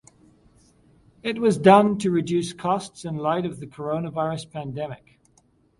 This was done to reduce costs in light of the coronavirus pandemic.